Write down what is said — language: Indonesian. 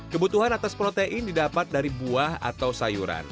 kebutuhan atas protein didapat dari buah atau sayuran